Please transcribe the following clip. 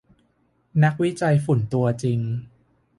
นักวิจัยฝุ่นตัวจริง